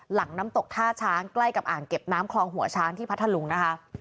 หลังน้ำตกท่าช้างใกล้กับอ่างเก็บน้ำคลองหัวช้างที่พัทธลุงนะคะ